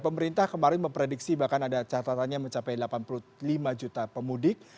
pemerintah kemarin memprediksi bahkan ada catatannya mencapai delapan puluh lima juta pemudik